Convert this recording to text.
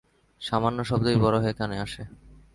সামান্য শব্দই বড় হয়ে কানে আসে।